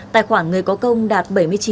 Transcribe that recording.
tài khoản người có công đạt bảy mươi chín